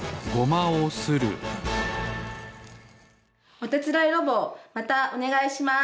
おてつだいロボまたおねがいします。